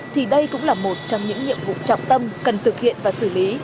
thì đây cũng là một trong những nhiệm vụ trọng tâm cần thực hiện và xử lý